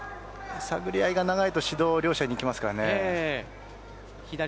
探り合いが長いと指導が両者にいきますね。